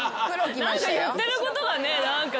何か言ってることがね。